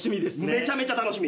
めちゃめちゃ楽しみ。